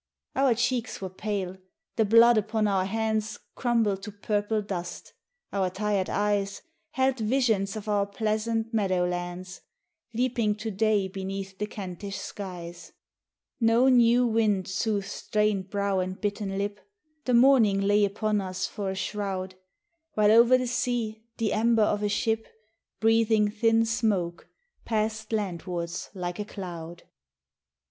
Our cheeks were pale, the blood upon our hands Crumbled to purple dust, our tired eyes Held visions of our pleasant meadow lands Leaping to day beneath the Kentish skies. * 37 THE PIRATE SHIP No new wind soothed strained brow and bitten lip, The morning lay upon us for a shroud, While o'er the sea, the ember of a ship Breathing thin smoke, passed landwards like a cloud.